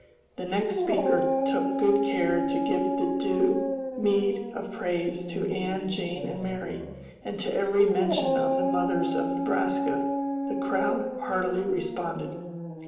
The next speaker took good care to give the due meed of praise to Ann, Jane, and Mary, and to every mention of the mothers of Nebraska the crowd heartily responded.